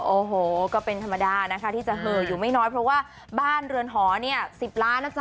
โอ้โหก็เป็นธรรมดานะคะที่จะเหออยู่ไม่น้อยเพราะว่าบ้านเรือนหอเนี่ย๑๐ล้านนะจ๊